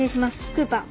クーパー。